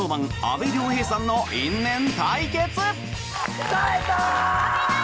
阿部亮平さんの因縁対決！